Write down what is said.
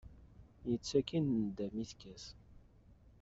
Yettaki i nnda mi tekkat.